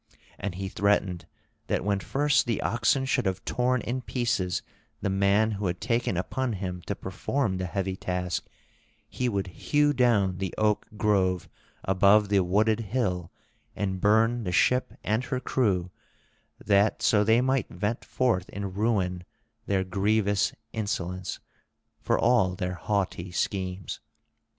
And he threatened that when first the oxen should have torn in pieces the man who had taken upon him to perform the heavy task, he would hew down the oak grove above the wooded hill, and burn the ship and her crew, that so they might vent forth in ruin their grievous insolence, for all their haughty schemes.